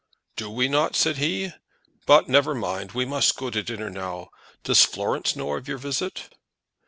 "Do we not?" said he. "But never mind; we must go to dinner now. Does Florence know of your visit?"